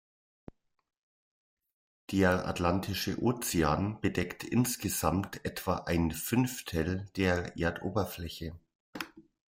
Der Atlantische Ozean bedeckt insgesamt etwa ein Fünftel der Erdoberfläche.